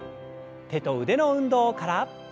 手と腕の運動から。